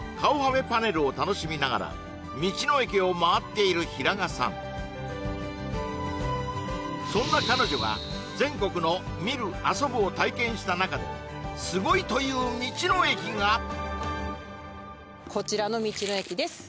続いてはそんな彼女が全国の「見る」「遊ぶ」を体験した中ですごいという道の駅がこちらの道の駅です